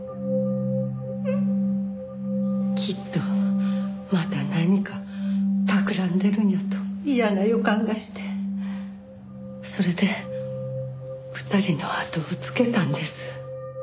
きっとまた何か企んでるんやと嫌な予感がしてそれで２人のあとをつけたんです。